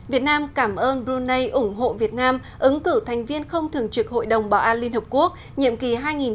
việt nam cảm ơn brunei ủng hộ việt nam ứng cử thành viên không thường trực hội đồng bảo an liên hợp quốc nhiệm kỳ hai nghìn hai mươi hai nghìn hai mươi một